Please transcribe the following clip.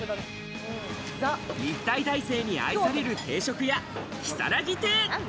日体大生に愛される定食屋、きさらぎ亭。